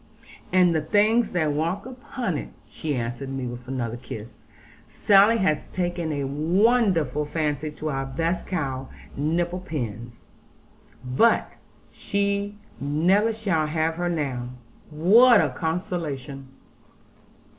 'And the things that walk upon it,' she answered me with another kiss; 'Sally has taken a wonderful fancy to our best cow, "Nipple pins." But she never shall have her now; what a consolation!'